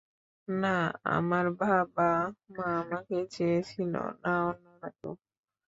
না আমার বাবা-মা আমাকে চেয়েছিল, না অন্যরা কেউ।